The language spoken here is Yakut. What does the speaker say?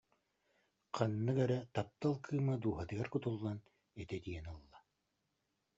Ханнык эрэ таптал кыыма дууһатыгар кутуллан, этэ итийэн ылла